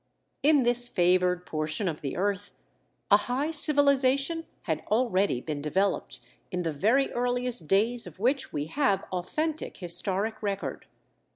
In this favored portion of the earth, a high civilization had already been developed in the very earliest days of which we have authentic historic record.